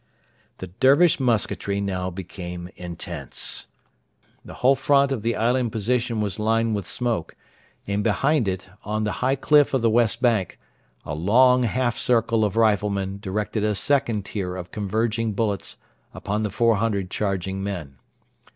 The Dervish musketry now became intense. The whole front of the island position was lined with smoke, and behind it, from the high cliff of the west bank, a long half circle of riflemen directed a second tier of converging bullets upon the 400 charging men.